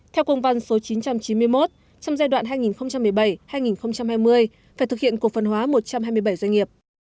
theo công văn số chín trăm chín mươi một trong giai đoạn hai nghìn một mươi bảy hai nghìn hai mươi phải thực hiện cổ phần hóa một trăm hai mươi bảy doanh nghiệp